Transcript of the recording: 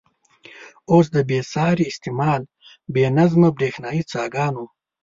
اوس د بې ساري استعمال، بې نظمه برېښنايي څاګانو.